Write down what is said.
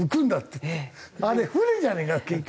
あれ船じゃねえか結局。